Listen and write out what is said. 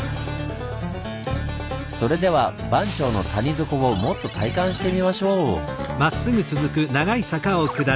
それでは番町の谷底をもっと体感してみましょう！